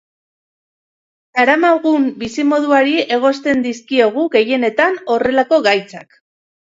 Daramagun bizi-moduari egozten dizkiogu, gehienetan, horrelako gaitzak.